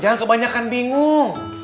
jangan kebanyakan bingung